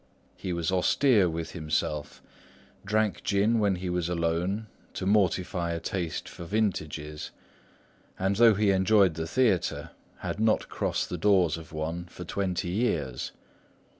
He was austere with himself; drank gin when he was alone, to mortify a taste for vintages; and though he enjoyed the theatre, had not crossed the doors of one for twenty years.